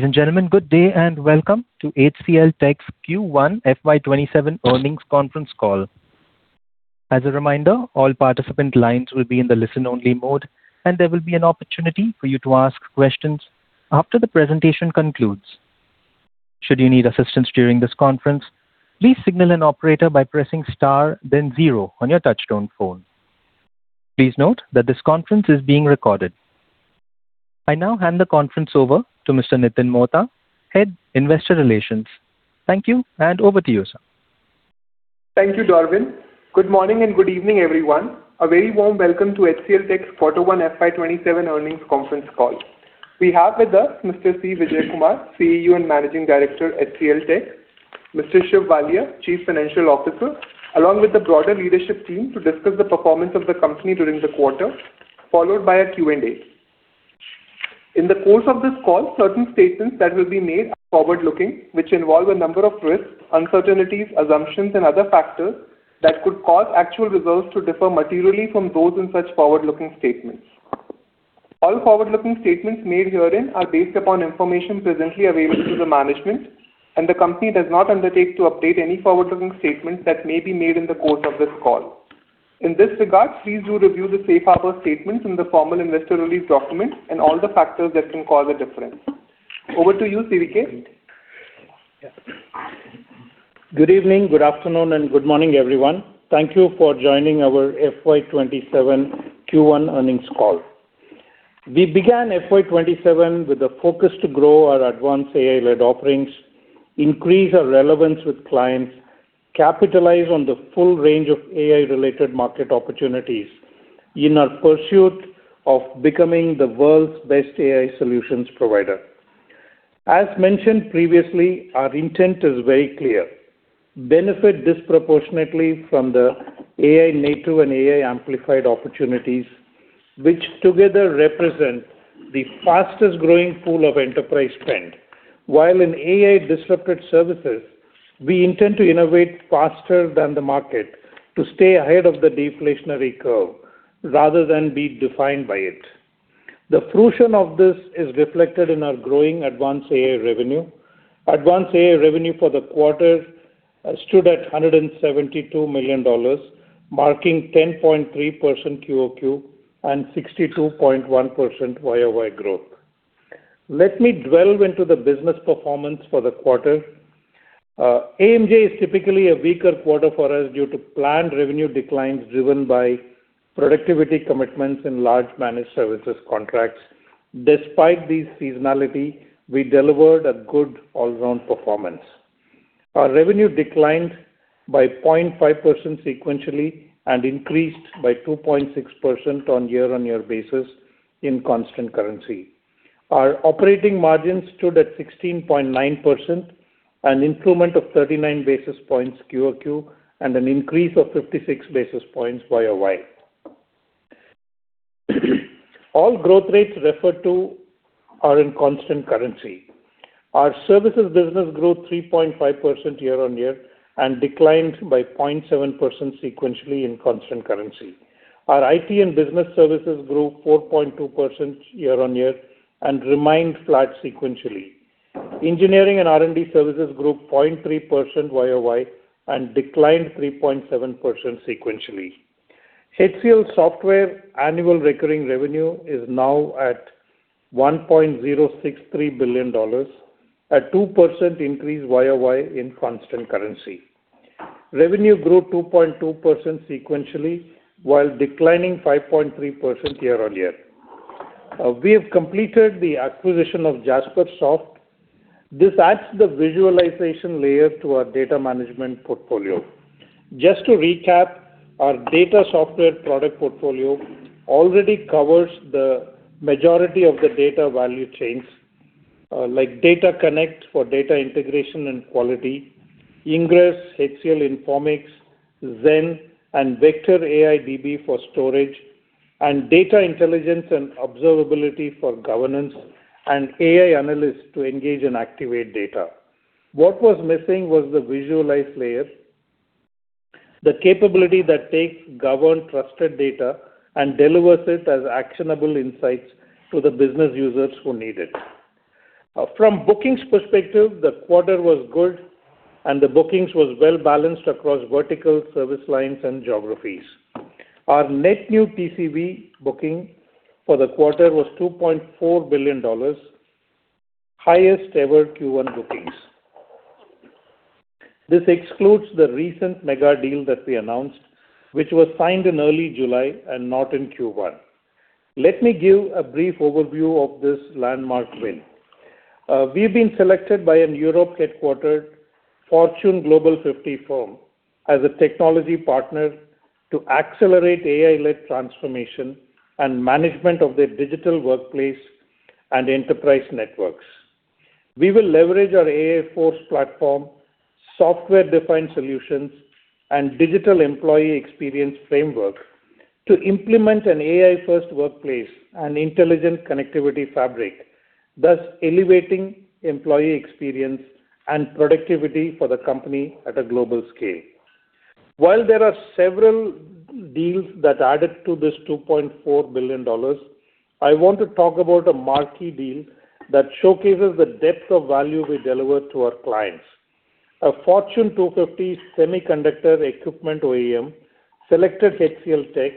Ladies and gentlemen, good day and welcome to HCLTech's Q1 FY 2027 Earnings Conference Call. As a reminder, all participant lines will be in the listen-only mode, and there will be an opportunity for you to ask questions after the presentation concludes. Should you need assistance during this conference, please signal an operator by pressing star then zero on your touchtone phone. Please note that this conference is being recorded. I now hand the conference over to Mr. Nitin Mohta, Head, Investor Relations. Thank you. Over to you, sir. Thank you, Darwin. Good morning and good evening, everyone. A very warm welcome to HCLTech's quarter one FY 2027 Earnings Conference Call. We have with us Mr. C. Vijayakumar, CEO and Managing Director, HCLTech, Mr. Shiv Walia, Chief Financial Officer, along with the broader leadership team to discuss the performance of the company during the quarter, followed by a Q&A. In the course of this call, certain statements that will be made are forward-looking, which involve a number of risks, uncertainties, assumptions and other factors that could cause actual results to differ materially from those in such forward-looking statements. All forward-looking statements made herein are based upon information presently available to the management. The company does not undertake to update any forward-looking statements that may be made in the course of this call. In this regard, please do review the safe harbor statements in the formal investor release document and all the factors that can cause a difference. Over to you, CVK. Good evening, good afternoon and good morning, everyone. Thank you for joining our FY 2027 Q1 earnings call. We began FY 2027 with a focus to grow our advanced AI-led offerings, increase our relevance with clients, capitalize on the full range of AI-related market opportunities in our pursuit of becoming the world's best AI solutions provider. As mentioned previously, our intent is very clear. Benefit disproportionately from the AI native and AI amplified opportunities, which together represent the fastest growing pool of enterprise spend. While in AI disrupted services, we intend to innovate faster than the market to stay ahead of the deflationary curve rather than be defined by it. The fruition of this is reflected in our growing advanced AI revenue. Advanced AI revenue for the quarter stood at $172 million, marking 10.3% quarter-over-quarter and 62.1% year-on-year growth. Let me delve into the business performance for the quarter. AMJ is typically a weaker quarter for us due to planned revenue declines driven by productivity commitments in large managed services contracts. Despite this seasonality, we delivered a good all-round performance. Our revenue declined by 0.5% sequentially and increased by 2.6% on a year-on-year basis in constant currency. Our operating margin stood at 16.9%, an improvement of 39 basis points quarter-over-quarter and an increase of 56 basis points year-on-year. All growth rates referred to are in constant currency. Our services business grew 3.5% year-on-year and declined by 0.7% sequentially in constant currency. Our IT and business services grew 4.2% year-on-year and remained flat sequentially. Engineering and R&D services grew 0.3% year-on-year and declined 3.7% sequentially. HCLSoftware annual recurring revenue is now at $1.063 billion, a 2% increase year-on-year in constant currency. Revenue grew 2.2% sequentially, while declining 5.3% year-on-year. We have completed the acquisition of Jaspersoft. This adds the visualization layer to our data management portfolio. Just to recap, our data software product portfolio already covers the majority of the data value chains, like Data Connect for data integration and quality, Ingres, HCL Informix, Zen and Vector AI DB for storage, and data intelligence and observability for governance and AI analysts to engage and activate data. What was missing was the visualize layer. The capability that takes governed trusted data and delivers it as actionable insights to the business users who need it. From a bookings perspective, the quarter was good and the bookings was well balanced across vertical service lines and geographies. Our net new PCV booking for the quarter was $2.4 billion. Highest ever Q1 bookings. This excludes the recent mega deal that we announced, which was signed in early July and not in Q1. Let me give a brief overview of this landmark win. We've been selected by a Europe-headquartered Fortune Global 50 firm as a technology partner to accelerate AI-led transformation and management of their digital workplace and enterprise networks. We will leverage our AI Force platform, software-defined solutions and digital employee experience framework to implement an AI-first workplace and intelligent connectivity fabric, thus elevating employee experience and productivity for the company at a global scale. While there are several deals that added to this $2.4 billion, I want to talk about a marquee deal that showcases the depth of value we deliver to our clients. A Fortune 250 semiconductor equipment OEM selected HCLTech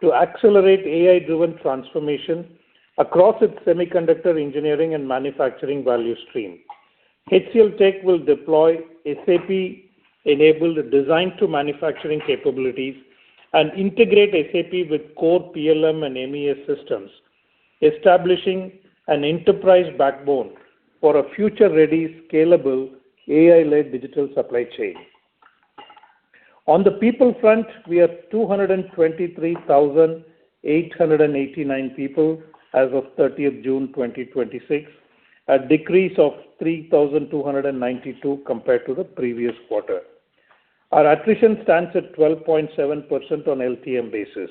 to accelerate AI-driven transformation across its semiconductor engineering and manufacturing value stream. HCLTech will deploy SAP-enabled design to manufacturing capabilities and integrate SAP with core PLM and MES systems, establishing an enterprise backbone for a future-ready, scalable, AI-led digital supply chain. On the people front, we have 223,889 people as of 30th June 2026, a decrease of 3,292 compared to the previous quarter. Our attrition stands at 12.7% on an LTM basis.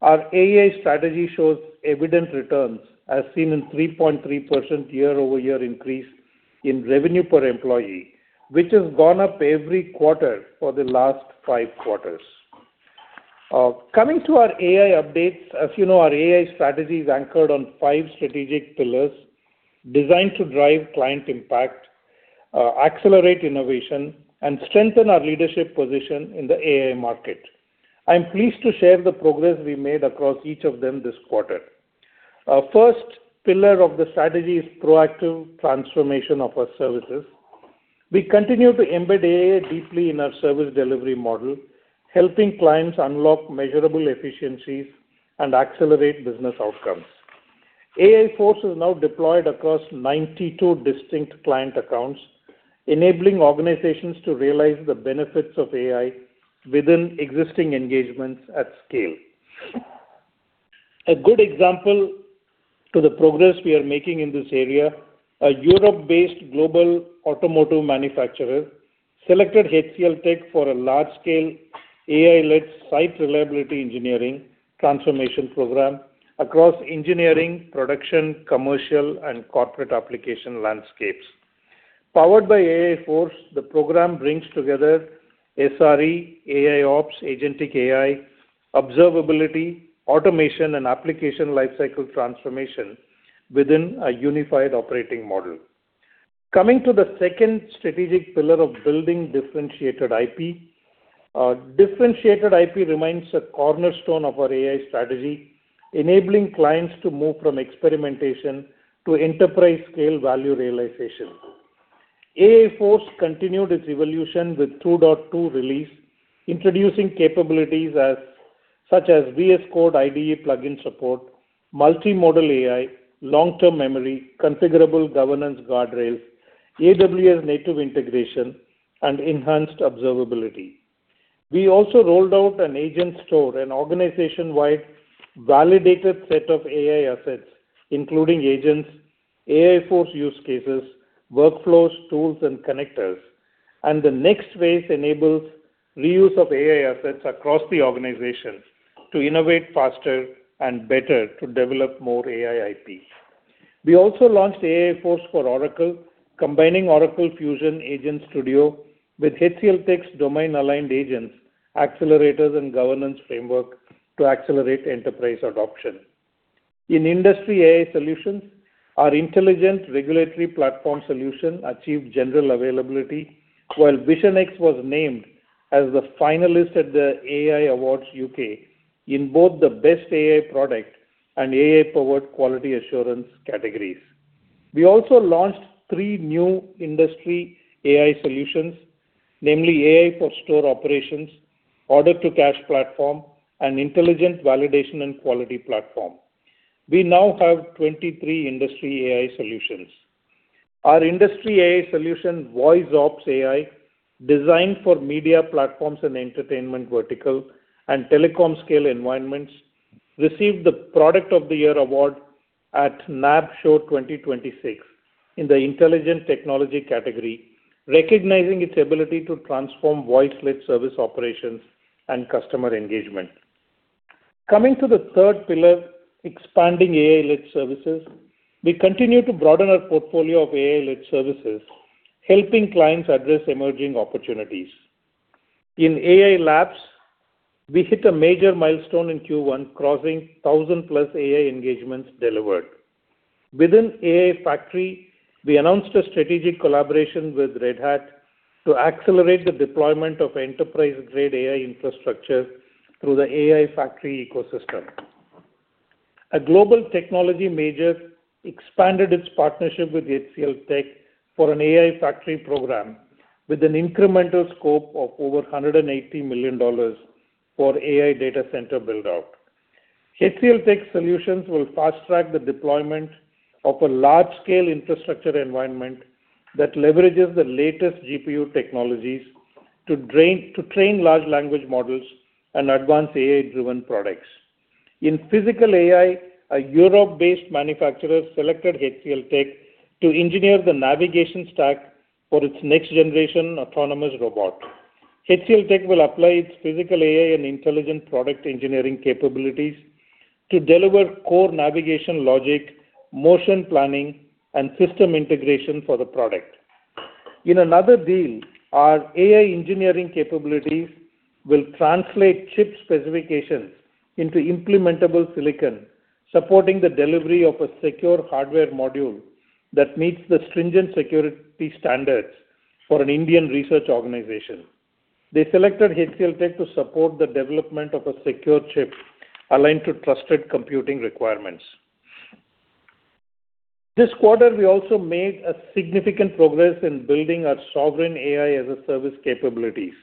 Our AI strategy shows evident returns, as seen in a 3.3% year-over-year increase in revenue per employee, which has gone up every quarter for the last five quarters. Coming to our AI updates. As you know, our AI strategy is anchored on five strategic pillars designed to drive client impact, accelerate innovation, and strengthen our leadership position in the AI market. I'm pleased to share the progress we made across each of them this quarter. Our first pillar of the strategy is proactive transformation of our services. We continue to embed AI deeply in our service delivery model, helping clients unlock measurable efficiencies and accelerate business outcomes. AI Force is now deployed across 92 distinct client accounts, enabling organizations to realize the benefits of AI within existing engagements at scale. A good example to the progress we are making in this area, a Europe-based global automotive manufacturer selected HCLTech for a large-scale AI-led site reliability engineering transformation program across engineering, production, commercial, and corporate application landscapes. Powered by AI Force, the program brings together SRE, AIOps, agentic AI, observability, automation, and application lifecycle transformation within a unified operating model. Coming to the second strategic pillar of building differentiated IP. Differentiated IP remains a cornerstone of our AI strategy, enabling clients to move from experimentation to enterprise-scale value realization. AI Force continued its evolution with 2.2 release, introducing capabilities such as VS Code IDE plugin support, multimodal AI, long-term memory, configurable governance guardrails, AWS native integration, and enhanced observability. We also rolled out an agent store, an organization-wide validated set of AI assets, including agents, AI Force use cases, workflows, tools, and connectors. The Next Ways enables reuse of AI assets across the organization to innovate faster and better to develop more AI IP. We also launched AI Force for Oracle, combining Oracle Fusion Agent Studio with HCLTech's domain-aligned agents, accelerators, and governance framework to accelerate enterprise adoption. In industry AI solutions, our intelligent regulatory platform solution achieved general availability, while VisionX was named as the finalist at the AI Awards U.K. in both the best AI product and AI-powered quality assurance categories. We also launched three new industry AI solutions, namely AI for store operations, order-to-cash platform, and intelligent validation and quality platform. We now have 23 industry AI solutions. Our industry AI solution, VoiceOps AI, designed for media platforms and entertainment vertical and telecom scale environments, received the Product of the Year award at NAB Show 2026 in the Intelligent Technology category, recognizing its ability to transform voice-led service operations and customer engagement. Coming to the third pillar, expanding AI-led services. We continue to broaden our portfolio of AI-led services, helping clients address emerging opportunities. In AI Labs, we hit a major milestone in Q1, crossing 1,000-plus AI engagements delivered. Within AI Factory, we announced a strategic collaboration with Red Hat to accelerate the deployment of enterprise-grade AI infrastructure through the AI Factory ecosystem. A global technology major expanded its partnership with HCLTech for an AI Factory program with an incremental scope of over INR 180 million for AI data center build-out. HCLTech solutions will fast-track the deployment of a large-scale infrastructure environment that leverages the latest GPU technologies to train large language models and advance AI-driven products. In Physical AI, a Europe-based manufacturer selected HCLTech to engineer the navigation stack for its next-generation autonomous robot. HCLTech will apply its Physical AI and intelligent product engineering capabilities to deliver core navigation logic, motion planning, and system integration for the product. In another deal, our AI engineering capabilities will translate chip specifications into implementable silicon, supporting the delivery of a secure hardware module that meets the stringent security standards for an Indian research organization. They selected HCLTech to support the development of a secure chip aligned to trusted computing requirements. This quarter, we also made a significant progress in building our sovereign AI-as-a-service capabilities.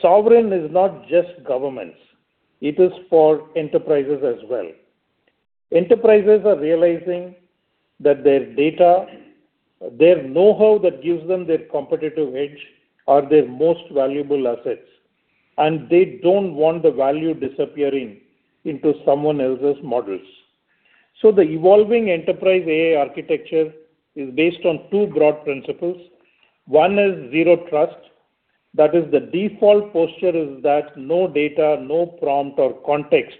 Sovereign is not just governments. It is for enterprises as well. Enterprises are realizing that their data, their know-how that gives them their competitive edge are their most valuable assets. They don't want the value disappearing into someone else's models. The evolving enterprise AI architecture is based on two broad principles. One is zero trust. That is, the default posture is that no data, no prompt or context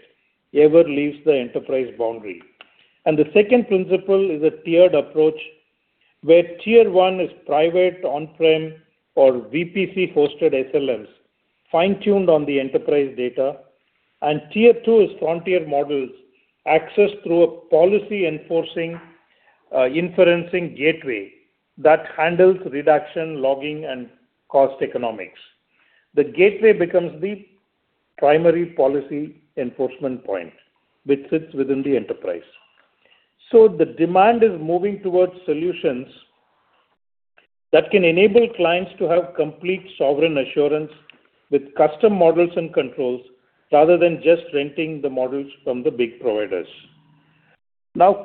ever leaves the enterprise boundary. The second principle is a tiered approach, where Tier 1 is private, on-prem, or VPC-hosted SLMs, fine-tuned on the enterprise data. Tier 2 is frontier models accessed through a policy enforcing, inferencing gateway that handles reduction, logging, and cost economics. The gateway becomes the primary policy enforcement point, which sits within the enterprise. The demand is moving towards solutions that can enable clients to have complete sovereign assurance with custom models and controls, rather than just renting the models from the big providers.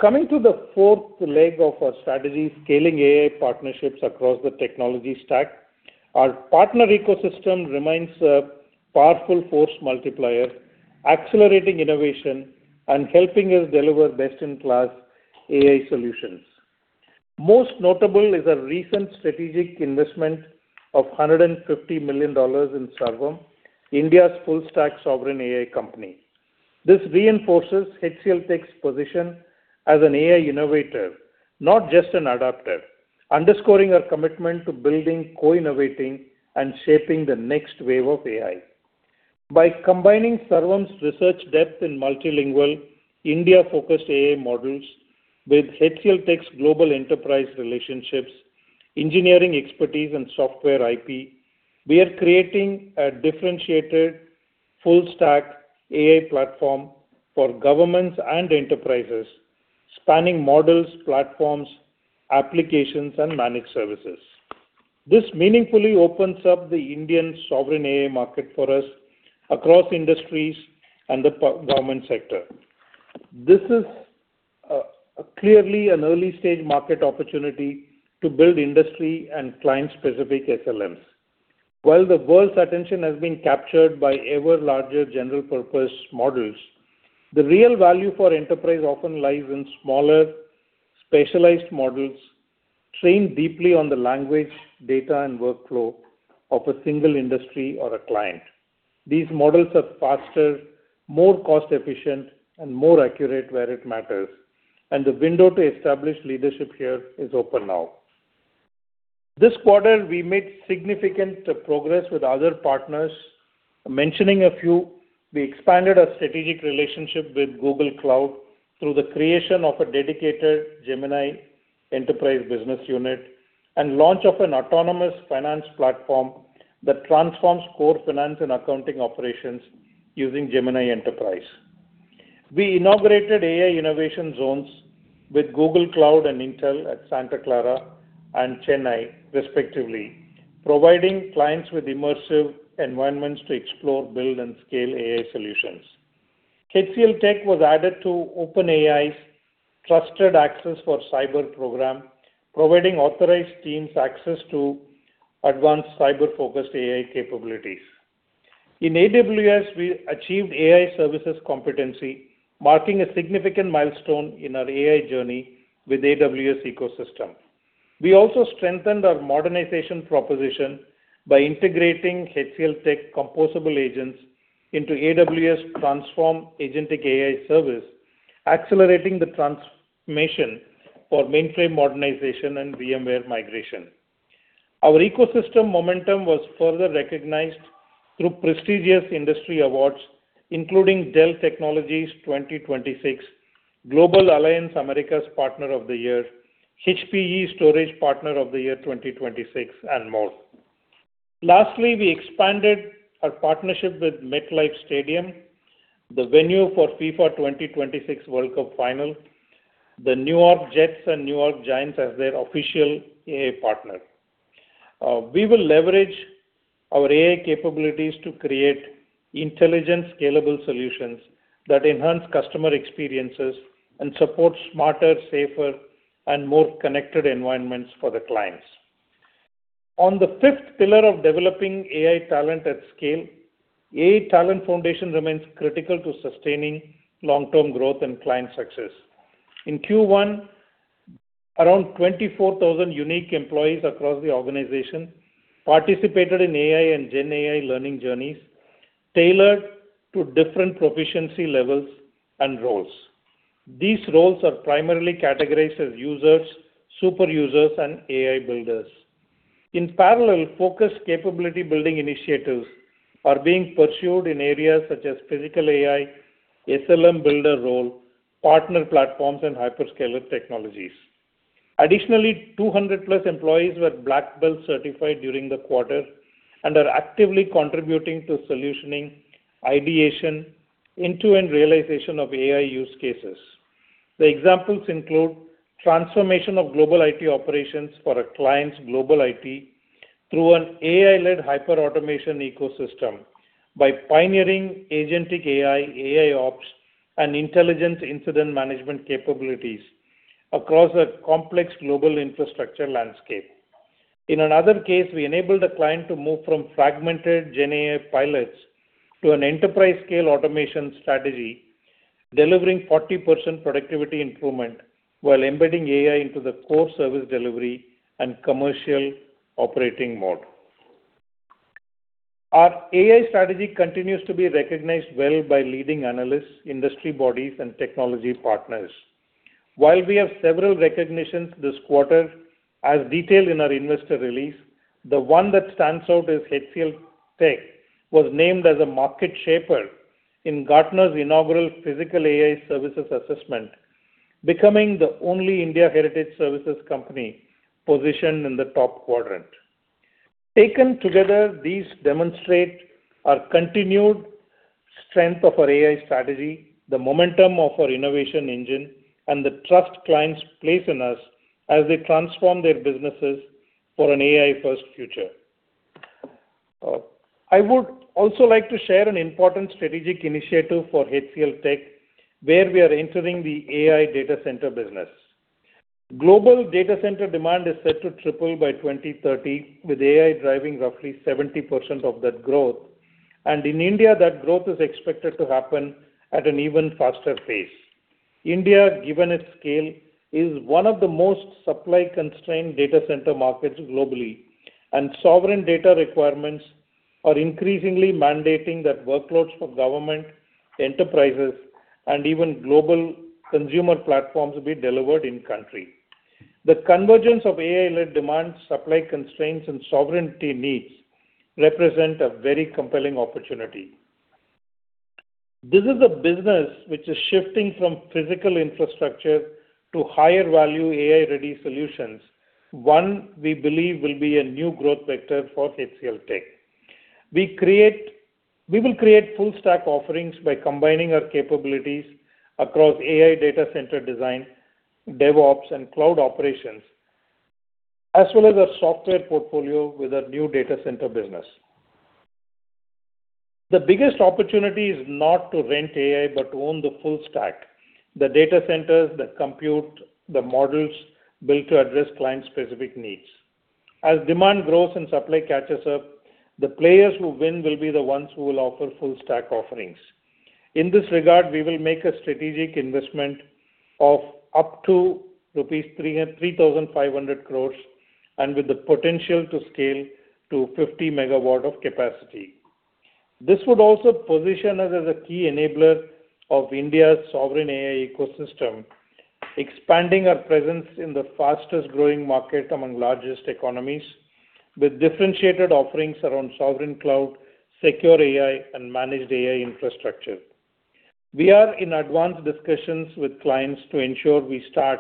Coming to the fourth leg of our strategy, scaling AI partnerships across the technology stack. Our partner ecosystem remains a powerful force multiplier, accelerating innovation and helping us deliver best-in-class AI solutions. Most notable is our recent strategic investment of $150 million in Sarvam, India's full-stack sovereign AI company. This reinforces HCLTech's position as an AI innovator, not just an adapter, underscoring our commitment to building, co-innovating, and shaping the next wave of AI. By combining Sarvam's research depth in multilingual India-focused AI models with HCLTech's global enterprise relationships, engineering expertise, and software IP, we are creating a differentiated full-stack AI platform for governments and enterprises, spanning models, platforms, applications, and managed services. This meaningfully opens up the Indian sovereign AI market for us across industries and the government sector. This is clearly an early-stage market opportunity to build industry and client-specific SLMs. While the world's attention has been captured by ever larger general-purpose models, the real value for enterprise often lies in smaller, specialized models trained deeply on the language, data, and workflow of a single industry or a client. These models are faster, more cost-efficient, and more accurate where it matters. The window to establish leadership here is open now. This quarter, we made significant progress with other partners. Mentioning a few, we expanded our strategic relationship with Google Cloud through the creation of a dedicated Gemini Enterprise Business Unit and launch of an autonomous finance platform that transforms core finance and accounting operations using Gemini Enterprise. We inaugurated AI innovation zones with Google Cloud and Intel at Santa Clara and Chennai, respectively, providing clients with immersive environments to explore, build, and scale AI solutions. HCLTech was added to OpenAI's Trusted Access for Cyber program, providing authorized teams access to advanced cyber-focused AI capabilities. In AWS, we achieved AI services competency, marking a significant milestone in our AI journey with AWS ecosystem. We also strengthened our modernization proposition by integrating HCLTech composable agents into AWS Transform agentic AI service, accelerating the transformation for mainframe modernization and VMware migration. Our ecosystem momentum was further recognized through prestigious industry awards, including Dell Technologies 2026, Global Alliance Americas Partner of the Year, HPE Storage Partner of the Year 2026, and more. We expanded our partnership with MetLife Stadium, the venue for FIFA 2026 World Cup Final, the New York Jets, and New York Giants as their official AI partner. We will leverage our AI capabilities to create intelligent, scalable solutions that enhance customer experiences and support smarter, safer, and more connected environments for the clients. On the fifth pillar of developing AI talent at scale, AI talent foundation remains critical to sustaining long-term growth and client success. In Q1, around 24,000 unique employees across the organization participated in AI and GenAI learning journeys tailored to different proficiency levels and roles. These roles are primarily categorized as users, super users, and AI builders. In parallel, focused capability building initiatives are being pursued in areas such as physical AI, SLM builder role, partner platforms, and hyperscaler technologies. Additionally, 200-plus employees were Black Belt certified during the quarter and are actively contributing to solutioning, ideation into and realization of AI use cases. The examples include transformation of global IT operations for a client's global IT through an AI-led hyperautomation ecosystem by pioneering agentic AI, AIOps, and intelligent incident management capabilities across a complex global infrastructure landscape. In another case, we enabled a client to move from fragmented GenAI pilots to an enterprise-scale automation strategy, delivering 40% productivity improvement while embedding AI into the core service delivery and commercial operating mode. Our AI strategy continues to be recognized well by leading analysts, industry bodies, and technology partners. While we have several recognitions this quarter, as detailed in our investor release, the one that stands out is HCLTech was named as a market shaper in Gartner's inaugural Physical AI Services assessment, becoming the only India heritage services company positioned in the top quadrant. Taken together, these demonstrate our continued strength of our AI strategy, the momentum of our innovation engine, and the trust clients place in us as they transform their businesses for an AI-first future. I would also like to share an important strategic initiative for HCLTech, where we are entering the AI data center business. Global data center demand is set to triple by 2030, with AI driving roughly 70% of that growth. In India, that growth is expected to happen at an even faster pace. India, given its scale, is one of the most supply-constrained data center markets globally, and sovereign data requirements are increasingly mandating that workloads for government enterprises and even global consumer platforms be delivered in-country. The convergence of AI-led demand, supply constraints, and sovereignty needs represent a very compelling opportunity. This is a business which is shifting from physical infrastructure to higher value AI-ready solutions. One we believe will be a new growth vector for HCLTech. We will create full-stack offerings by combining our capabilities across AI data center design, DevOps, and cloud operations, as well as a software portfolio with our new data center business. The biggest opportunity is not to rent AI, but to own the full stack. The data centers that compute the models built to address client-specific needs. As demand grows and supply catches up, the players who win will be the ones who will offer full-stack offerings. In this regard, we will make a strategic investment of up to rupees 3,500 crores and with the potential to scale to 50 MW of capacity. This would also position us as a key enabler of India's sovereign AI ecosystem, expanding our presence in the fastest-growing market among largest economies with differentiated offerings around sovereign cloud, secure AI, and managed AI infrastructure. We are in advanced discussions with clients to ensure we start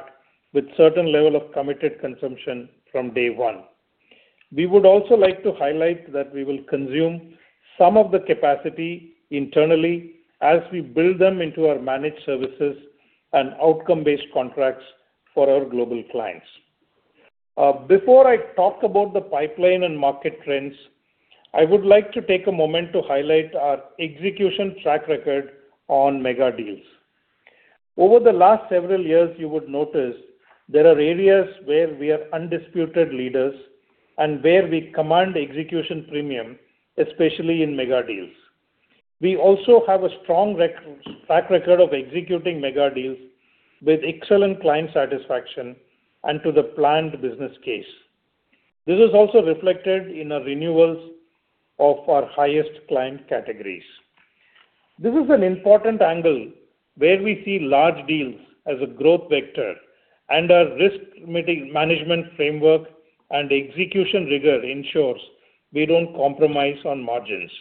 with certain level of committed consumption from day one. We would also like to highlight that we will consume some of the capacity internally as we build them into our managed services and outcome-based contracts for our global clients. Before I talk about the pipeline and market trends, I would like to take a moment to highlight our execution track record on mega deals. Over the last several years, you would notice there are areas where we are undisputed leaders and where we command execution premium, especially in mega deals. We also have a strong track record of executing mega deals with excellent client satisfaction and to the planned business case. This is also reflected in our renewals of our highest client categories. This is an important angle where we see large deals as a growth vector and our risk management framework and execution rigor ensures we don't compromise on margins.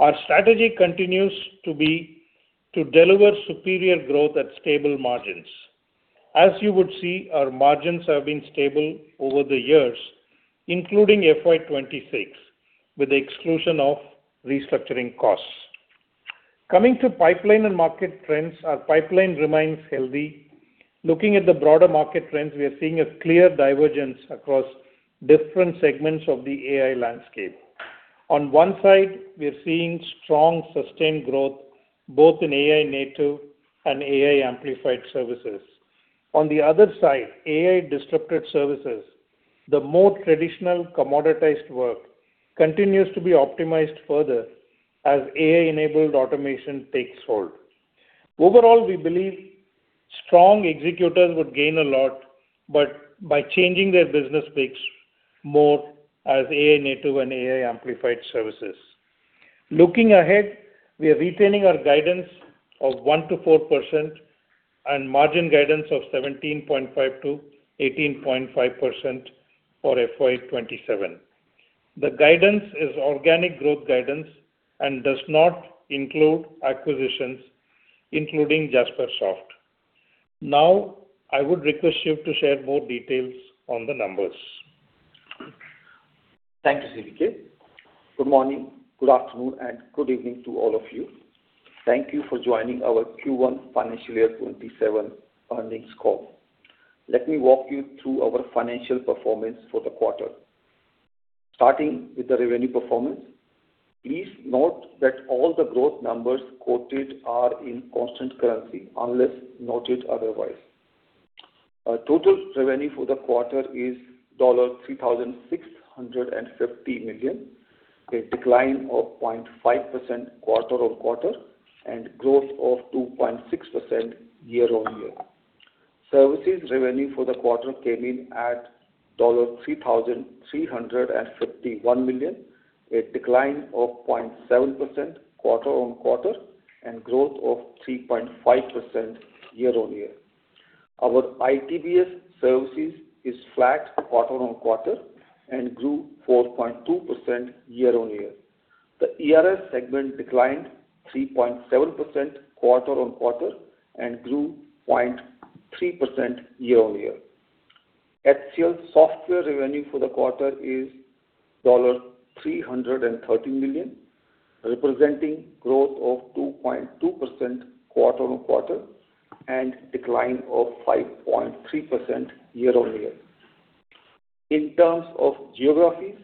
Our strategy continues to be to deliver superior growth at stable margins. As you would see, our margins have been stable over the years, including FY 2026, with the exclusion of restructuring costs. Coming to pipeline and market trends, our pipeline remains healthy. Looking at the broader market trends, we are seeing a clear divergence across different segments of the AI landscape. On one side, we are seeing strong, sustained growth both in AI native and AI amplified services. On the other side, AI disrupted services. The more traditional commoditized work continues to be optimized further as AI-enabled automation takes hold. Overall, we believe strong executors would gain a lot, but by changing their business mix more as AI-native and AI-amplified services. Looking ahead, we are retaining our guidance of 1%-4% and margin guidance of 17.5%-18.5% for FY 2027. The guidance is organic growth guidance and does not include acquisitions, including Jaspersoft. I would request Shiv to share more details on the numbers. Thank you, CVK. Good morning, good afternoon, and good evening to all of you. Thank you for joining our Q1 financial year 2027 earnings call. Let me walk you through our financial performance for the quarter. Starting with the revenue performance. Please note that all the growth numbers quoted are in constant currency, unless noted otherwise. Total revenue for the quarter is $3,650 million, a decline of 0.5% quarter-on-quarter and growth of 2.6% year-on-year. Services revenue for the quarter came in at $3,351 million, a decline of 0.7% quarter-on-quarter and growth of 3.5% year-on-year. Our ITBS services is flat quarter-on-quarter and grew 4.2% year-on-year. The ERS segment declined 3.7% quarter-on-quarter and grew 0.3% year-on-year. HCLSoftware revenue for the quarter is $330 million, representing growth of 2.2% quarter-on-quarter and decline of 5.3% year-on-year. In terms of geographies,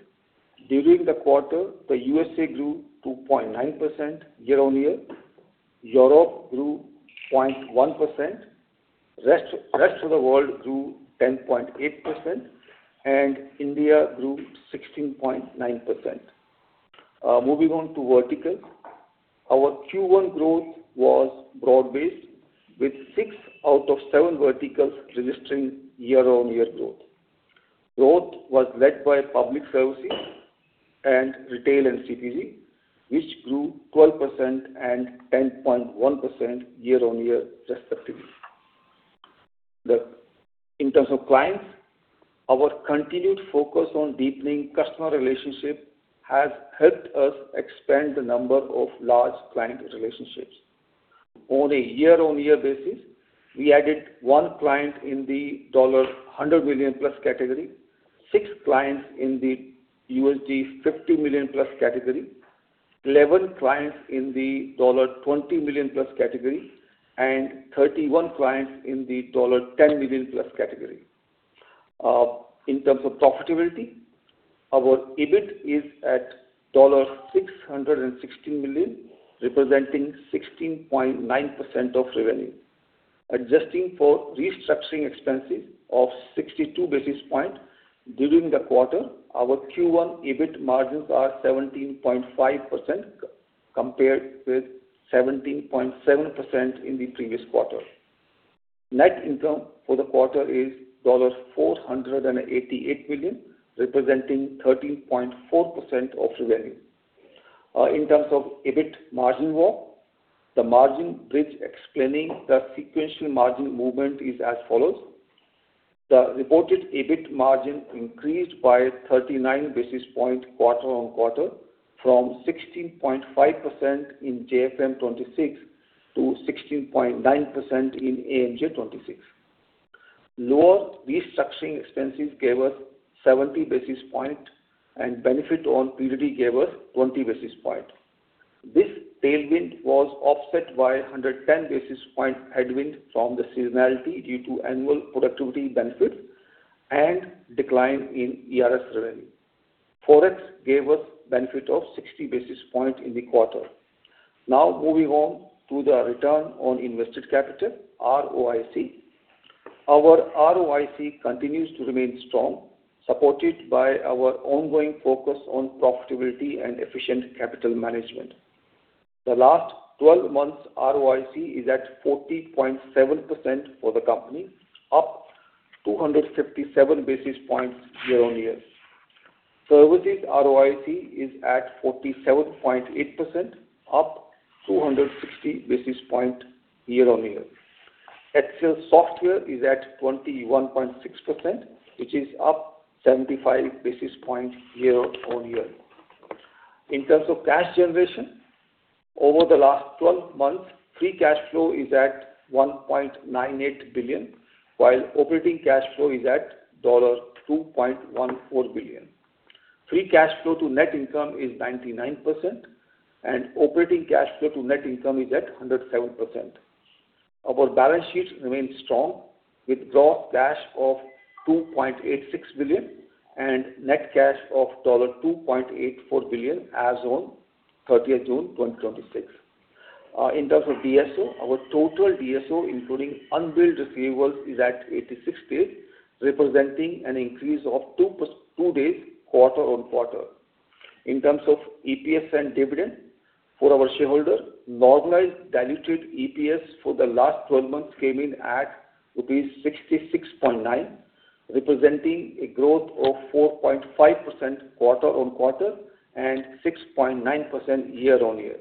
during the quarter, the U.S.A. grew 2.9% year-on-year, Europe grew 0.1%, rest of the world grew 10.8%, and India grew 16.9%. Moving on to vertical. Our Q1 growth was broad-based, with six out of seven verticals registering year-on-year growth. Growth was led by public services and retail and CPG, which grew 12% and 10.1% year-on-year respectively. In terms of clients, our continued focus on deepening customer relationship has helped us expand the number of large client relationships. On a year-on-year basis, we added one client in the $100 million plus category, six clients in the $50 million plus category, 11 clients in the $20 million plus category, and 31 clients in the $10 million plus category. In terms of profitability, our EBIT is at $616 million, representing 16.9% of revenue. Adjusting for restructuring expenses of 62 basis points during the quarter, our Q1 EBIT margins are 17.5% compared with 17.7% in the previous quarter. Net income for the quarter is $488 million, representing 13.4% of revenue. In terms of EBIT margin walk, the margin bridge explaining the sequential margin movement is as follows. The reported EBIT margin increased by 39 basis points quarter-on-quarter from 16.5% in JFM 2026 to 16.9% in AMJ 2026. Lower restructuring expenses gave us 70 basis points and benefit on P&D gave us 20 basis points. This tailwind was offset by 110 basis points headwind from the seasonality due to annual productivity benefit and decline in ERS revenue. Forex gave us benefit of 60 basis points in the quarter. Now moving on to the return on invested capital, ROIC. Our ROIC continues to remain strong, supported by our ongoing focus on profitability and efficient capital management. The last 12 months ROIC is at 40.7% for the company, up 257 basis points year-on-year. Services ROIC is at 47.8%, up 260 basis points year-on-year. HCLSoftware is at 21.6%, which is up 75 basis points year-on-year. In terms of cash generation, over the last 12 months, free cash flow is at $1.98 billion, while operating cash flow is at $2.14 billion. Free cash flow to net income is 99%, and operating cash flow to net income is at 107%. Our balance sheet remains strong with gross cash of $2.86 billion and net cash of $2.84 billion as on 30th June 2026. In terms of DSO, our total DSO, including unbilled receivables, is at 86 days, representing an increase of two days quarter-on-quarter. In terms of EPS and dividend for our shareholders, normalized diluted EPS for the last 12 months came in at rupees 66.9, representing a growth of 4.5% quarter-on-quarter and 6.9% year-on-year.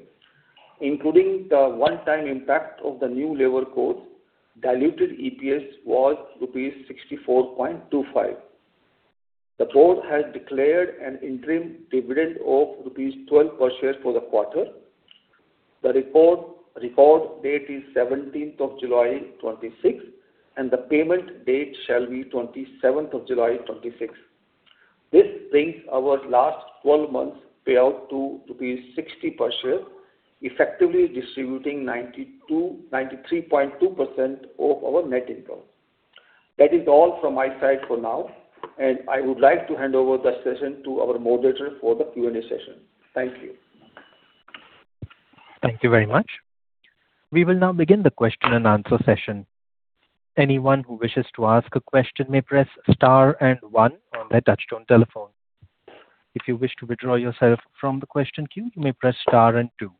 Including the one-time impact of the New Labour Codes, diluted EPS was rupees 64.25. The board has declared an interim dividend of rupees 12 per share for the quarter. The record date is 17th of July 2026, and the payment date shall be 27th of July 2026. This brings our last 12 months payout to rupees 60 per share, effectively distributing 93.2% of our net income. That is all from my side for now, and I would like to hand over the session to our moderator for the Q&A session. Thank you. Thank you very much. We will now begin the question-and-answer session. Anyone who wishes to ask a question may press star and one on their touchtone telephone. If you wish to withdraw yourself from the question queue, you may press star and two.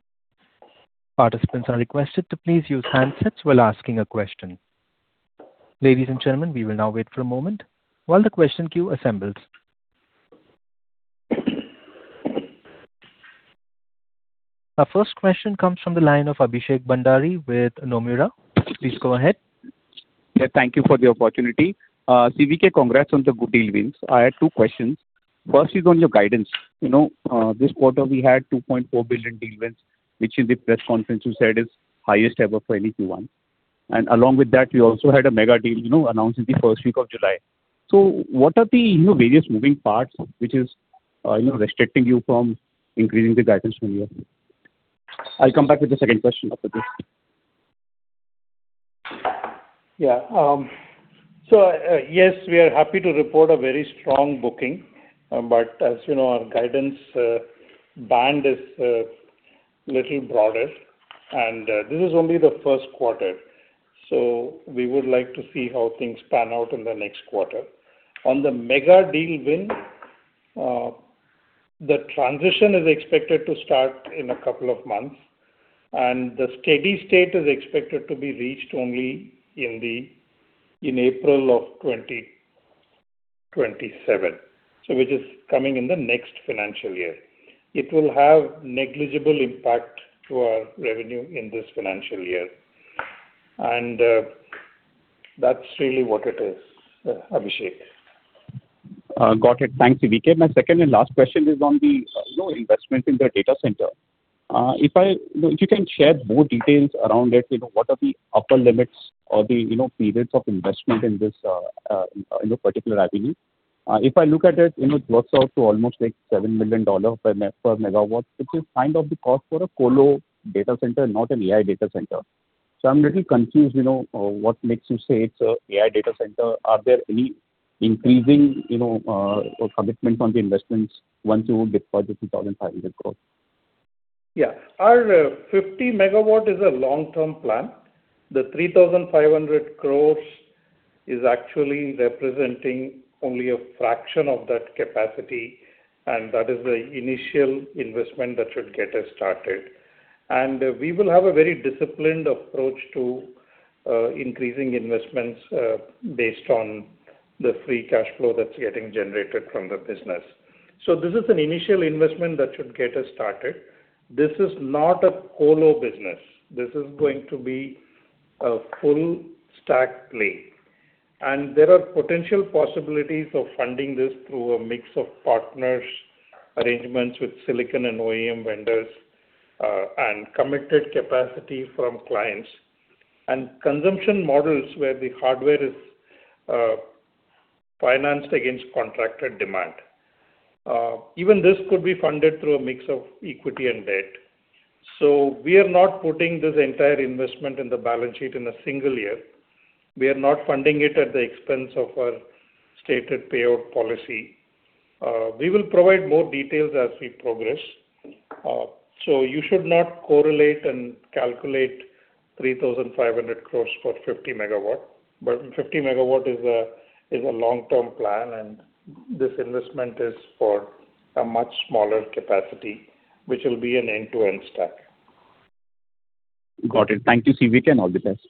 Participants are requested to please use handsets while asking a question. Ladies and gentlemen, we will now wait for a moment while the question queue assembles. Our first question comes from the line of Abhishek Bhandari with Nomura. Please go ahead. Yeah. Thank you for the opportunity. CVK, congrats on the good deal wins. I have two questions. First is on your guidance. This quarter we had $2.4 billion deal wins, which in the press conference you said is highest ever for any Q1. Along with that, we also had a mega deal announced in the first week of July. What are the various moving parts which is restricting you from increasing the guidance from here? I'll come back with the second question after this. Yeah. Yes, we are happy to report a very strong booking. As you know, our guidance band is a little broader, and this is only the first quarter, we would like to see how things pan out in the next quarter. On the mega deal win, the transition is expected to start in a couple of months, and the steady state is expected to be reached only in April of 2027. Which is coming in the next financial year. It will have negligible impact to our revenue in this financial year. That's really what it is, Abhishek. Got it. Thanks, CVK. My second and last question is on the investment in the data center. If you can share more details around it, what are the upper limits or the periods of investment in this particular avenue? If I look at it works out to almost $7 million per megawatt, which is kind of the cost for a colo data center, not an AI data center. I'm a little confused, what makes you say it's a AI data center? Are there any increasing commitments on the investments once you get past the 3,500 crores? Our 50 MW is a long-term plan. The 3,500 crores is actually representing only a fraction of that capacity, and that is the initial investment that should get us started. We will have a very disciplined approach to increasing investments based on the free cash flow that is getting generated from the business. This is an initial investment that should get us started. This is not a colo business. This is going to be a full stack play. There are potential possibilities of funding this through a mix of partners, arrangements with silicon and OEM vendors, and committed capacity from clients, and consumption models where the hardware is financed against contracted demand. Even this could be funded through a mix of equity and debt. We are not putting this entire investment in the balance sheet in a single year. We are not funding it at the expense of our stated payout policy. We will provide more details as we progress. You should not correlate and calculate 3,500 crores for 50 MW. 50 MW is a long-term plan, and this investment is for a much smaller capacity, which will be an end-to-end stack. Got it. Thank you, CVK, and all the best.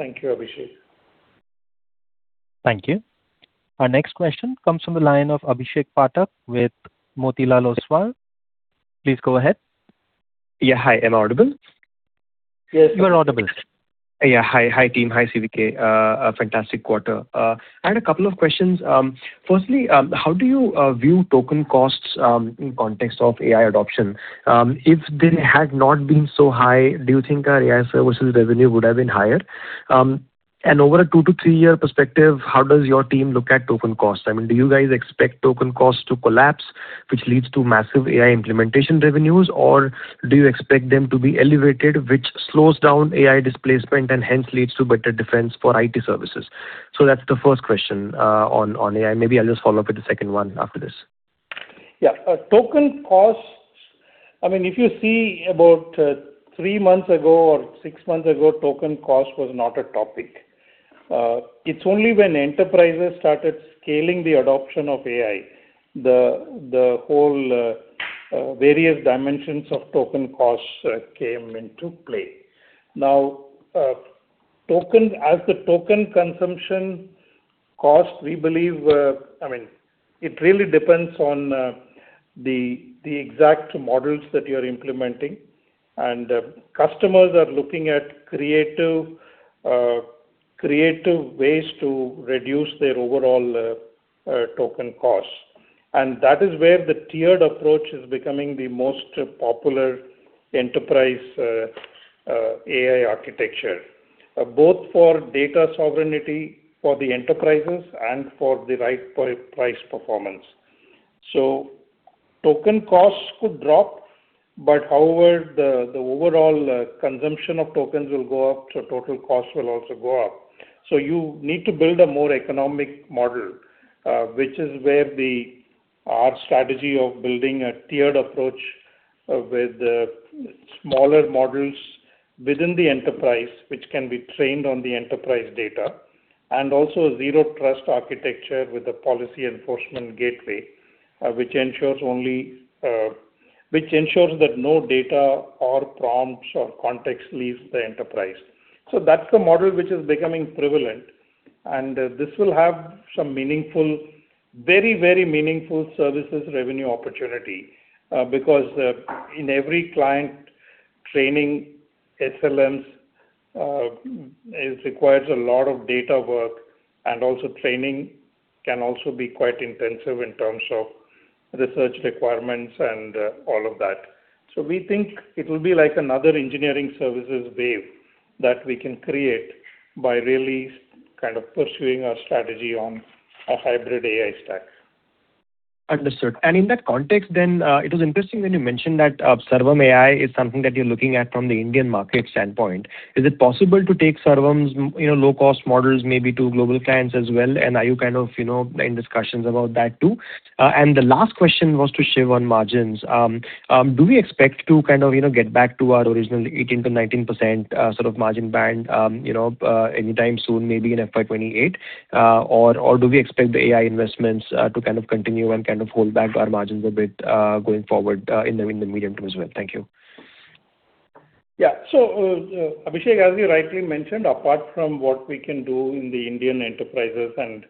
Thank you, Abhishek. Thank you. Our next question comes from the line of Abhishek Pathak with Motilal Oswal. Please go ahead. Yeah. Hi. Am I audible? Yes, you are audible. Yeah. Hi, team. Hi, CVK. A fantastic quarter. I had a couple of questions. Firstly, how do you view token costs in context of AI adoption? If they had not been so high, do you think our AI services revenue would have been higher? Over a two to three-year perspective, how does your team look at token costs? Do you guys expect token costs to collapse, which leads to massive AI implementation revenues, or do you expect them to be elevated, which slows down AI displacement and hence leads to better defense for IT services? That's the first question on AI. Maybe I'll just follow up with the second one after this. Yeah. Token costs. If you see about three months ago or six months ago, token cost was not a topic. It is only when enterprises started scaling the adoption of AI, the whole various dimensions of token costs came into play. Now, as the token consumption cost, it really depends on the exact models that you are implementing. Customers are looking at creative ways to reduce their overall token costs. That is where the tiered approach is becoming the most popular enterprise AI architecture, both for data sovereignty for the enterprises, and for the right price performance. Token costs could drop, but however, the overall consumption of tokens will go up, total cost will also go up. You need to build a more economic model, which is where our strategy of building a tiered approach with smaller models within the enterprise, which can be trained on the enterprise data, also zero-trust architecture with a policy enforcement gateway, which ensures that no data or prompts or context leaves the enterprise. That is the model which is becoming prevalent, this will have some very meaningful services revenue opportunity. In every client, training SLMs requires a lot of data work, also training can also be quite intensive in terms of research requirements and all of that. We think it will be like another engineering services wave that we can create by really pursuing our strategy on a hybrid AI stack. Understood. In that context then, it was interesting when you mentioned that Sarvam AI is something that you are looking at from the Indian market standpoint. Is it possible to take Sarvam's low-cost models maybe to global clients as well, are you in discussions about that, too? The last question was to Shiv on margins. Do we expect to get back to our original 18%-19% sort of margin band anytime soon, maybe in FY 2028, or do we expect the AI investments to continue kind of hold back our margins a bit going forward in the medium-term as well? Thank you. Yeah. Abhishek, as you rightly mentioned, apart from what we can do in the Indian enterprises and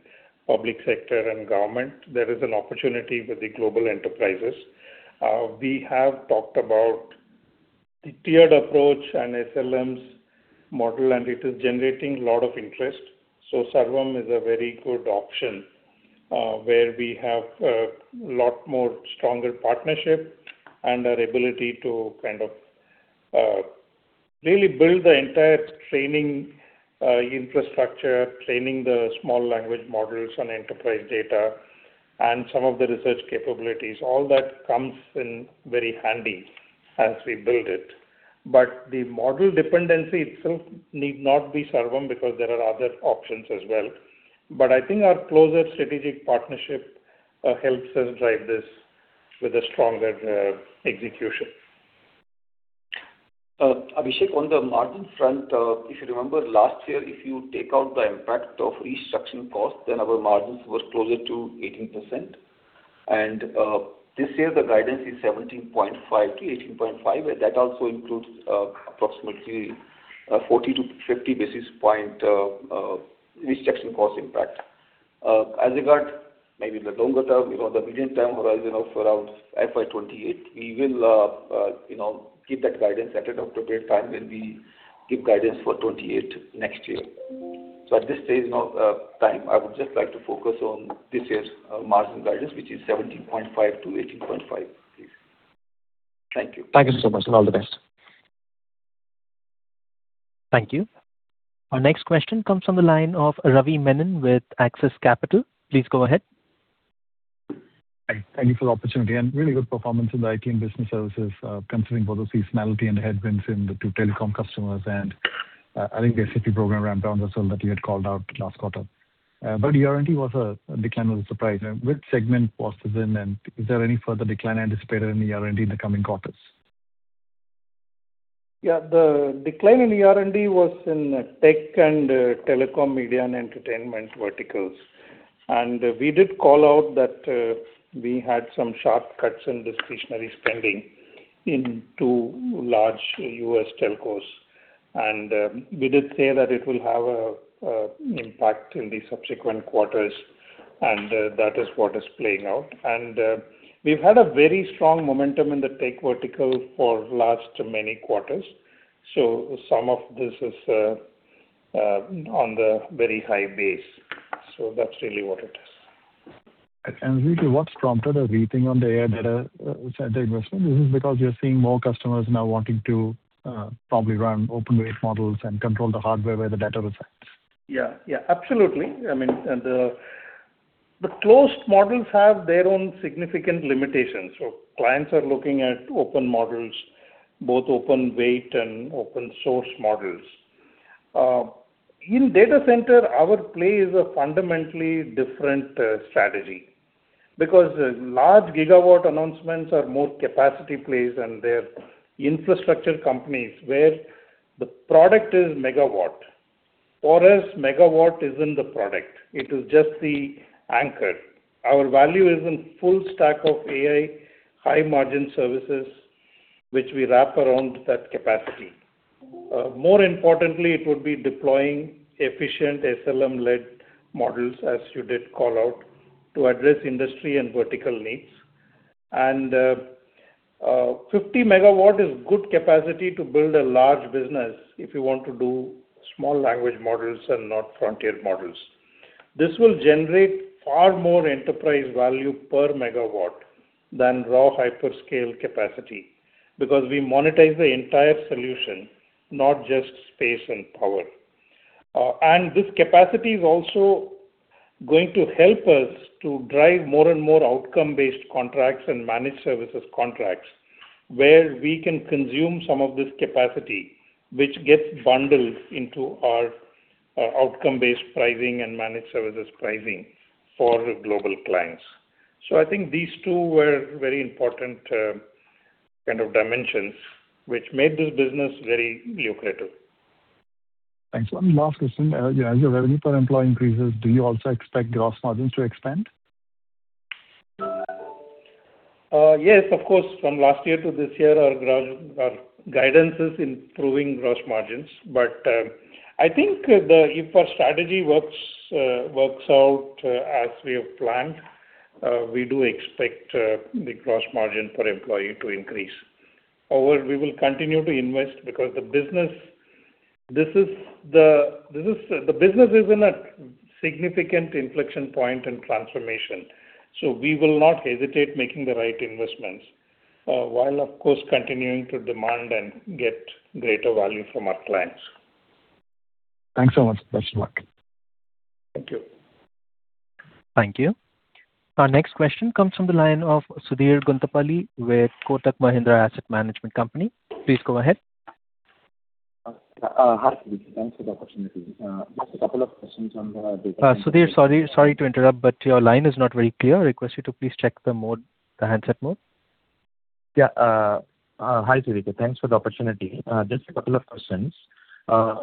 public sector and government, there is an opportunity with the global enterprises. We have talked about the tiered approach and SLMs model, it is generating a lot of interest. Sarvam is a very good option, where we have a lot more stronger partnership and our ability to really build the entire training infrastructure, training the small language models on enterprise data, some of the research capabilities. All that comes in very handy as we build it. The model dependency itself need not be Sarvam, there are other options as well. I think our closer strategic partnership helps us drive this with a stronger execution. Abhishek, on the margin front, if you remember last year, if you take out the impact of restructuring costs, then our margins were closer to 18%. This year, the guidance is 17.5%-18.5%, and that also includes approximately 40-50 basis point restructuring cost impact. As regard maybe the longer-term, the medium-term horizon of around FY 2028, we will give that guidance at an appropriate time when we give guidance for 2028 next year. At this stage now time, I would just like to focus on this year's margin guidance, which is 17.5%-18.5%. Thank you. Thank you so much, and all the best. Thank you. Our next question comes from the line of Ravi Menon with Axis Capital. Please go ahead. Thank you for the opportunity. Really good performance in the IT and business services, considering both the seasonality and the headwinds in the two telecom customers and I think the SAP program ramp down as well that you had called out last quarter. ER&D decline was a surprise. Which segment was within, and is there any further decline anticipated in the ER&D in the coming quarters? Yeah. The decline in the ER&D was in tech and telecom, media, and entertainment verticals. We did call out that we had some sharp cuts in discretionary spending in two large U.S. telcos. We did say that it will have an impact in the subsequent quarters, and that is what is playing out. We've had a very strong momentum in the tech vertical for last many quarters. Some of this is on the very high base. That's really what it is. Really, what's prompted a rethink on the AI data center investment? Is it because you're seeing more customers now wanting to probably run open weight models and control the hardware where the data resides? Yeah. Absolutely. The closed models have their own significant limitations. Clients are looking at open models, both open weight and open source models. In data center, our play is a fundamentally different strategy because large gigawatt announcements are more capacity plays and they're infrastructure companies where the product is megawatt. For us, megawatt isn't the product, it is just the anchor. Our value is in full stack of AI, high margin services, which we wrap around that capacity. More importantly, it would be deploying efficient SLM-led models, as you did call out, to address industry and vertical needs. 50 MW is good capacity to build a large business if you want to do small language models and not frontier models. This will generate far more enterprise value per megawatt than raw hyperscale capacity, because we monetize the entire solution, not just space and power. This capacity is also going to help us to drive more and more outcome-based contracts and managed services contracts, where we can consume some of this capacity, which gets bundled into our outcome-based pricing and managed services pricing for global clients. I think these two were very important kind of dimensions which made this business very lucrative. Thanks. One last question. As your revenue per employee increases, do you also expect gross margins to expand? Yes, of course. From last year to this year, our guidance is improving gross margins. I think if our strategy works out as we have planned, we do expect the gross margin per employee to increase. However, we will continue to invest because the business is in a significant inflection point and transformation, we will not hesitate making the right investments. While, of course, continuing to demand and get greater value from our clients. Thanks so much. Best of luck. Thank you. Thank you. Our next question comes from the line of Sudheer Guntupalli with Kotak Mahindra Asset Management Company. Please go ahead. Hi, CVK. Thanks for the opportunity. Just a couple of questions. Sudheer, sorry to interrupt, your line is not very clear. I request you to please check the handset mode. Yeah. Hi, CVK. Thanks for the opportunity. Just a couple of questions.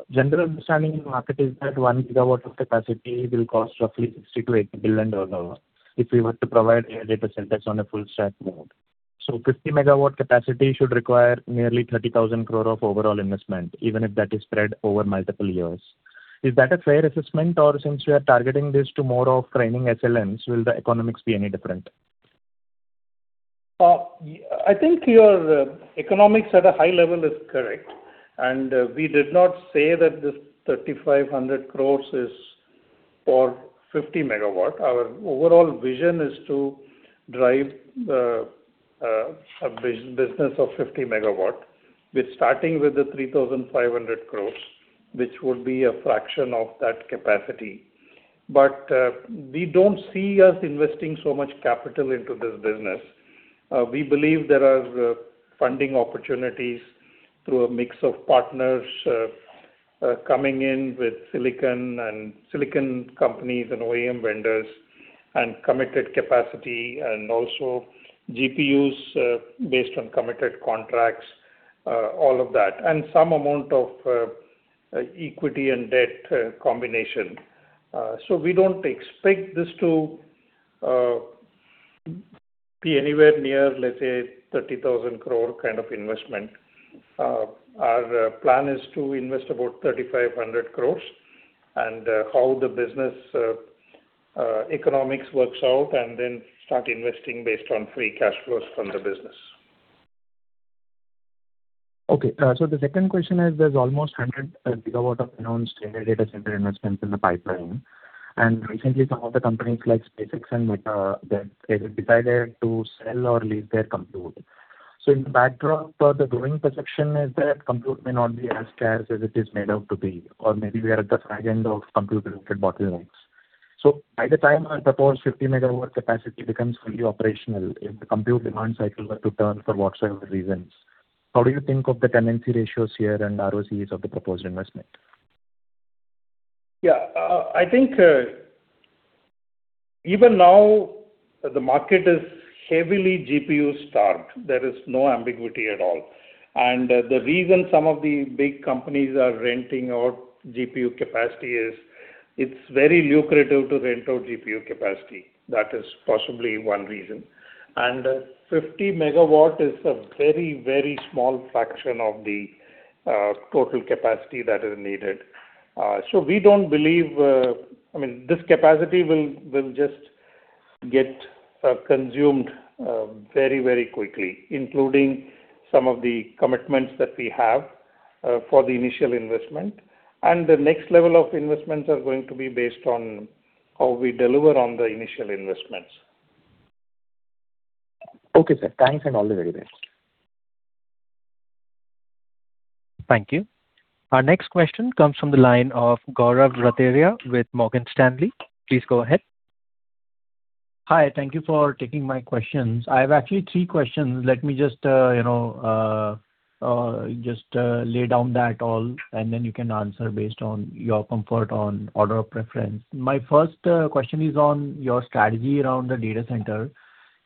General understanding in market is that 1 GW of capacity will cost roughly $60 billion-$80 billion, if we were to provide AI data centers on a full stack mode. So 50 MW capacity should require nearly 30,000 crore of overall investment, even if that is spread over multiple years. Is that a fair assessment, or since we are targeting this to more of training SLMs, will the economics be any different? I think your economics at a high level is correct. We did not say that this 3,500 crore is for 50 MW. Our overall vision is to drive a business of 50 MW. We are starting with the 3,500 crore, which would be a fraction of that capacity. We do not see us investing so much capital into this business. We believe there are funding opportunities through a mix of partners coming in with silicon companies and OEM vendors and committed capacity, also GPUs based on committed contracts, all of that. Some amount of equity and debt combination. We do not expect this to be anywhere near, let us say, 30,000 crore kind of investment. Our plan is to invest about 3,500 crore and how the business economics works out, then start investing based on free cash flows from the business. Okay. The second question is, there is almost 100 GW of announced data center investments in the pipeline. Recently some of the companies like SpaceX and Meta, they decided to sell or lease their compute. In the backdrop, the growing perception is that compute may not be as scarce as it is made out to be, or maybe we are at the far end of compute-related bottlenecks. By the time our proposed 50 MW capacity becomes fully operational, if the compute demand cycle were to turn for whatsoever reasons, how do you think of the tenancy ratios here and ROIC of the proposed investment? Yeah. I think even now, the market is heavily GPU-starved. There is no ambiguity at all. The reason some of the big companies are renting out GPU capacity is it is very lucrative to rent out GPU capacity. That is possibly one reason. 50 MW is a very small fraction of the total capacity that is needed. This capacity will just get consumed very quickly, including some of the commitments that we have for the initial investment. The next level of investments are going to be based on how we deliver on the initial investments. Okay, sir. Thanks, all the very best. Thank you. Our next question comes from the line of Gaurav Rateria with Morgan Stanley. Please go ahead. Hi. Thank you for taking my questions. I have actually three questions. Let me just lay down that all, and then you can answer based on your comfort on order of preference. My first question is on your strategy around the data center.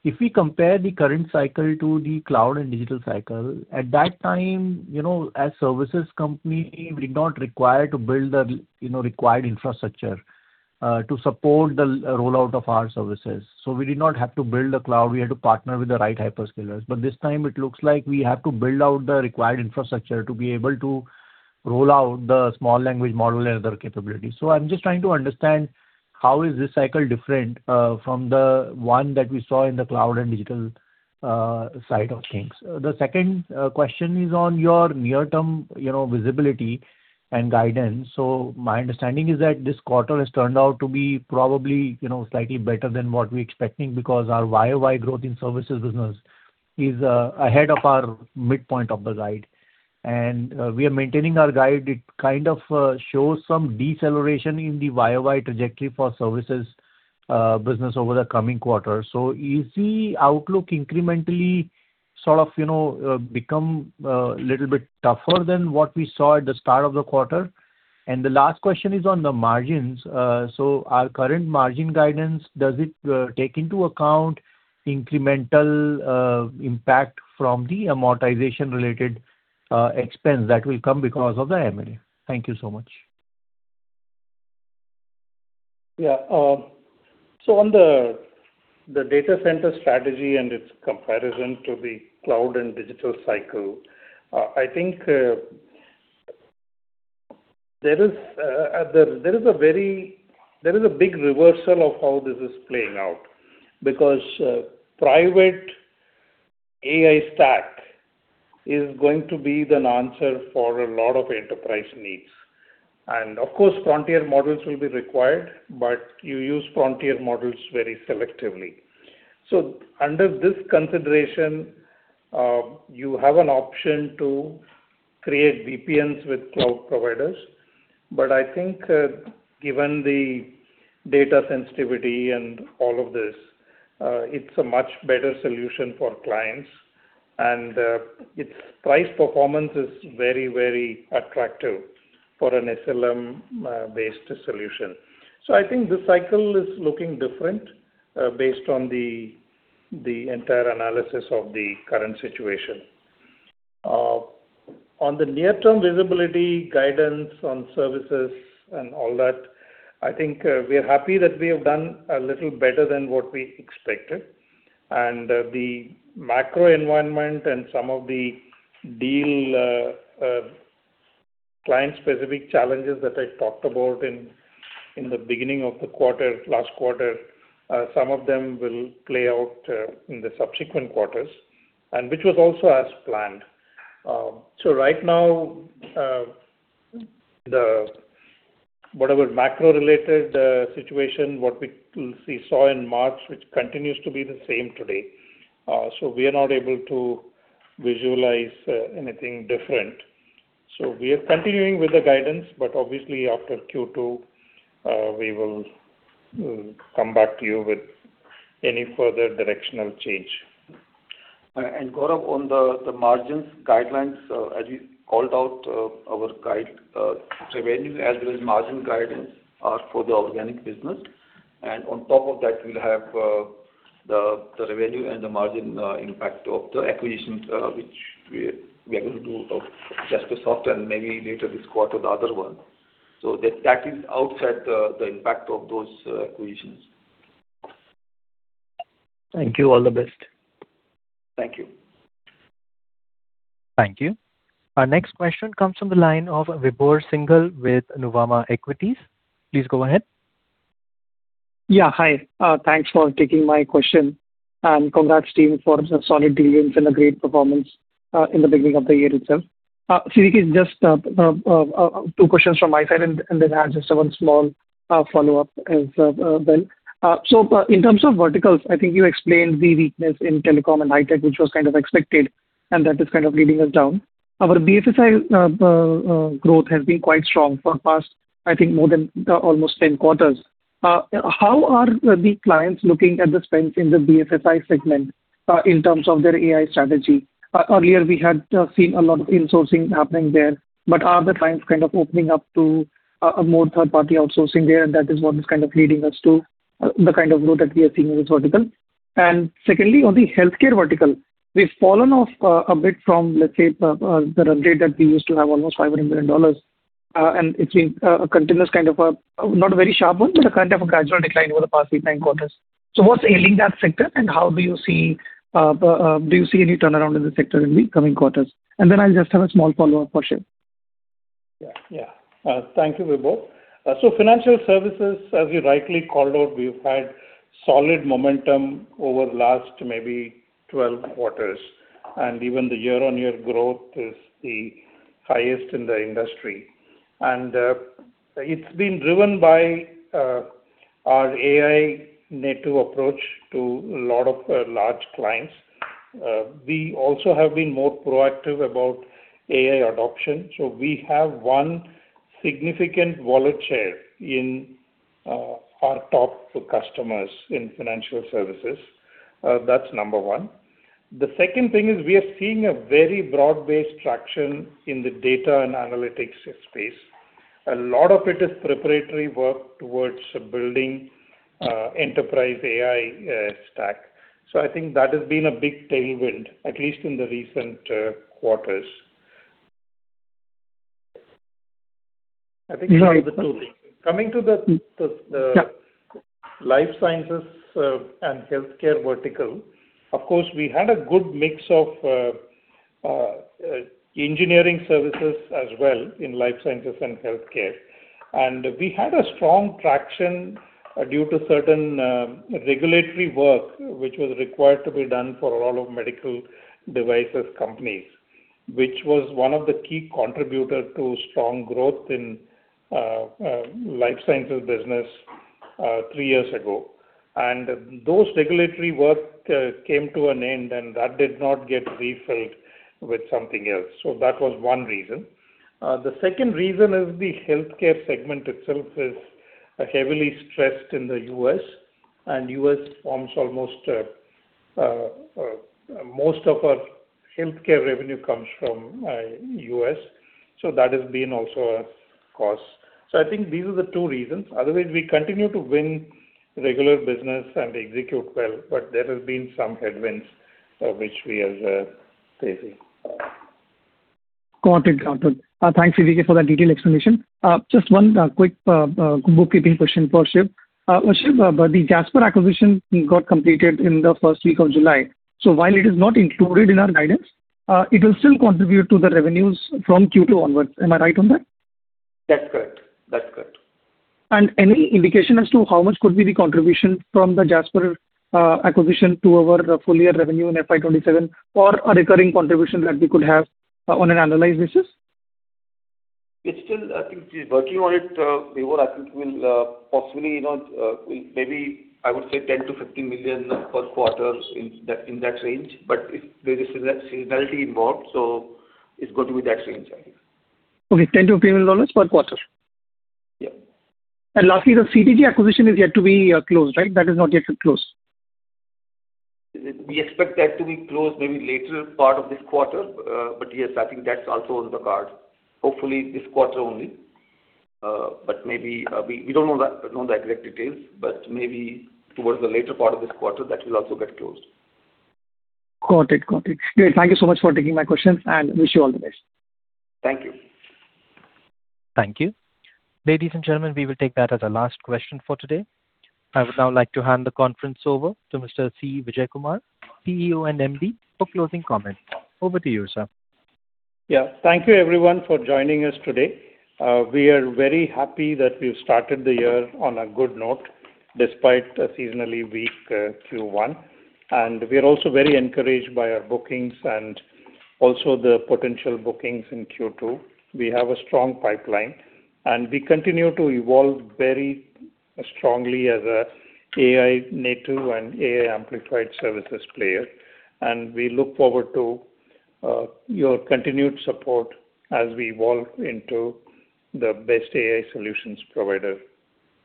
If we compare the current cycle to the cloud and digital cycle, at that time, as services company, we did not require to build the required infrastructure to support the rollout of our services. We did not have to build a cloud. We had to partner with the right hyperscalers. This time it looks like we have to build out the required infrastructure to be able to roll out the small language model and other capabilities. I'm just trying to understand how is this cycle different from the one that we saw in the cloud and digital side of things. The second question is on your near-term visibility and guidance. My understanding is that this quarter has turned out to be probably slightly better than what we're expecting because our year-on-year growth in services business is ahead of our midpoint of the guide. We are maintaining our guide. It kind of shows some deceleration in the year-on-year trajectory for services business over the coming quarter. Is the outlook incrementally sort of become a little bit tougher than what we saw at the start of the quarter? The last question is on the margins. Our current margin guidance, does it take into account incremental impact from the amortization-related expense that will come because of the M&A? Thank you so much. On the data center strategy and its comparison to the cloud and digital cycle, I think there is a big reversal of how this is playing out because private AI stack is going to be the answer for a lot of enterprise needs. Of course, frontier models will be required, but you use frontier models very selectively. Under this consideration, you have an option to create VPNs with cloud providers. I think, given the data sensitivity and all of this, it's a much better solution for clients. Its price performance is very attractive for an SLM-based solution. I think this cycle is looking different based on the entire analysis of the current situation. On the near-term visibility, guidance on services and all that, I think we're happy that we have done a little better than what we expected. The macro environment and some of the deal client-specific challenges that I talked about in the beginning of the quarter, last quarter, some of them will play out in the subsequent quarters, which was also as planned. Right now, whatever macro-related situation, what we saw in March, which continues to be the same today. We are not able to visualize anything different. We are continuing with the guidance, but obviously after Q2, we will come back to you with any further directional change. Gaurav, on the margins guidelines, as you called out, our guide revenue as well as margin guidance are for the organic business. On top of that, we'll have the revenue and the margin impact of the acquisitions, which we are going to do of Jaspersoft and maybe later this quarter, the other one. That is outside the impact of those acquisitions. Thank you. All the best. Thank you. Thank you. Our next question comes from the line of Vibhor Singhal with Nuvama Equities. Please go ahead. Yeah. Hi. Thanks for taking my question. Congrats, team, for the solid dealings and a great performance in the beginning of the year itself. CVK, just two questions from my side, I have just one small follow-up as well. In terms of verticals, I think you explained the weakness in telecom and high tech, which was kind of expected, and that is kind of leading us down. Our BFSI growth has been quite strong for past, I think, more than almost 10 quarters. How are the clients looking at the spends in the BFSI segment in terms of their AI strategy? Earlier, we had seen a lot of insourcing happening there, but are the clients kind of opening up to a more third-party outsourcing there, That is what is kind of leading us to the kind of growth that we are seeing in this vertical? Secondly, on the healthcare vertical, we've fallen off a bit from, let's say, the run rate that we used to have, almost INR 500 million. It's been a continuous kind of a, not a very sharp one, but a kind of a gradual decline over the past eight, nine quarters. What's ailing that sector, Do you see any turnaround in the sector in the coming quarters? I'll just have a small follow-up for Shiv. Yeah. Thank you, Vibhor. Financial services, as you rightly called out, we've had solid momentum over the last maybe 12 quarters, Even the year-on-year growth is the highest in the industry. It's been driven by our AI-native approach to a lot of large clients. We also have been more proactive about AI adoption. We have Significant wallet share in our top two customers in financial services. That's number one. The second thing is we are seeing a very broad-based traction in the data and analytics space. A lot of it is preparatory work towards building enterprise AI stack. I think that has been a big tailwind, at least in the recent quarters. I think these are the two things. Yeah life sciences and healthcare vertical, of course, we had a good mix of engineering services as well in life sciences and healthcare. We had a strong traction due to certain regulatory work, which was required to be done for a lot of medical devices companies, which was one of the key contributor to strong growth in life sciences business three years ago. Those regulatory work came to an end, and that did not get refilled with something else. That was one reason. The second reason is the healthcare segment itself is heavily stressed in the U.S., Most of our healthcare revenue comes from the U.S., that has been also a cause. I think these are the two reasons. Otherwise, we continue to win regular business and execute well, but there has been some headwinds, which we are facing. Got it. Thanks, Vijay, for that detailed explanation. Just one quick bookkeeping question for Shiv. Shiv, the Jasper acquisition got completed in the first week of July. While it is not included in our guidance, it will still contribute to the revenues from Q2 onwards. Am I right on that? That's correct. Any indication as to how much could be the contribution from the Jasper acquisition to our full-year revenue in FY 2027 or a recurring contribution that we could have on an annualized basis? We're still working on it. Vibhor, I think will possibly, maybe, I would say, $10 million-$15 million per quarter in that range. There is seasonality involved, it's going to be that range, I think. Okay. $10 million-$15 million per quarter. Yeah. Lastly, the CTG acquisition is yet to be closed, right? That is not yet closed. We expect that to be closed maybe later part of this quarter. Yes, I think that's also on the card. Hopefully, this quarter only. We don't know the exact details, maybe towards the later part of this quarter, that will also get closed. Got it. Great. Thank you so much for taking my questions, and wish you all the best. Thank you. Thank you. Ladies and gentlemen, we will take that as our last question for today. I would now like to hand the conference over to Mr. C. Vijayakumar, CEO and MD, for closing comments. Over to you, sir. Yeah. Thank you, everyone, for joining us today. We are very happy that we've started the year on a good note, despite a seasonally weak Q1. We are also very encouraged by our bookings and also the potential bookings in Q2. We have a strong pipeline, and we continue to evolve very strongly as an AI-native and AI-amplified services player. We look forward to your continued support as we evolve into the best AI solutions provider.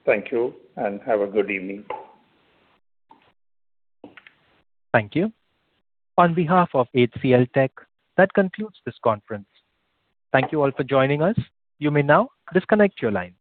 Thank you, and have a good evening. Thank you. On behalf of HCLTech, that concludes this conference. Thank you all for joining us. You may now disconnect your line.